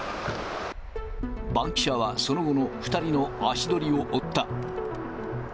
バンキシャはその後の２人の足取りを追った。